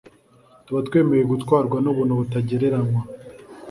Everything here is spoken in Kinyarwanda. tuba twemeye gutwarwa n’ubuntu butagereranywa